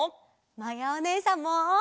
まやおねえさんも！